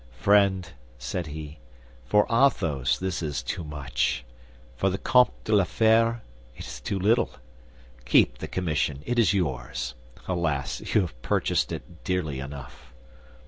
"Friend," said he, "for Athos this is too much; for the Comte de la Fère it is too little. Keep the commission; it is yours. Alas! you have purchased it dearly enough."